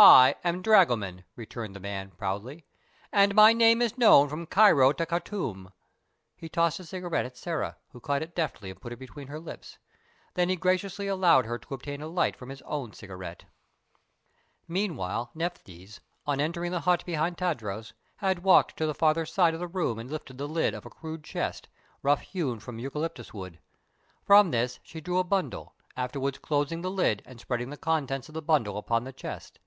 "I am dragoman," returned the man, proudly, "and my name is known from Cairo to Khartoum." He tossed a cigarette at Sĕra, who caught it deftly and put it between her lips. Then he graciously allowed her to obtain a light from his own cigarette. Meantime, Nephthys, on entering the hut behind Tadros, had walked to the further side of the room and lifted the lid of a rude chest, rough hewn from eucalyptus wood. From this she drew a bundle, afterward closing the lid and spreading the contents of the bundle upon the chest.